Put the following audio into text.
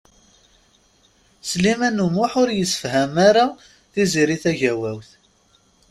Sliman U Muḥ ur yemsefham ara d Tiziri Tagawawt.